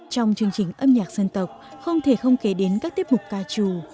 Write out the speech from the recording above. trong chương trình âm nhạc dân tộc không thể không kể đến các tiết mục ca trù